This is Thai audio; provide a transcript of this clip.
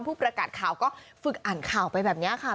ผู้ประกาศข่าวก็ฝึกอ่านข่าวไปแบบนี้ค่ะ